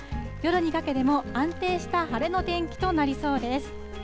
夜にかけても安定した晴れの天気となりそうです。